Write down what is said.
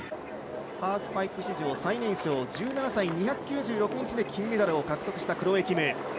ハーフパイプ史上最年少１７歳２９６日で金メダルを獲得したクロエ・キム。